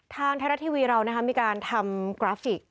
ทางไทยรัฐทีวีเรามีการทำกราฟิก